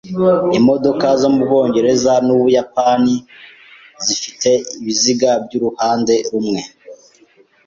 Imodoka zo mubwongereza nu Buyapani zifite ibiziga byuruhande rwiburyo.